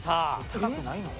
高くないの？